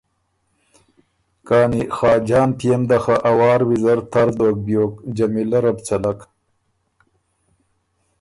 کانی خاجان پئے م ده خه ا وار ویزر تر دوک بیوک، چمیلۀ ره بو څلک